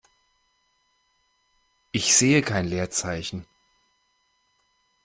Ich sehe kein Leerzeichen.